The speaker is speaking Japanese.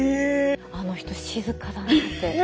あの人静かだなって。